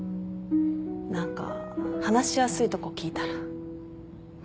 何か話しやすいとこ聞いたら。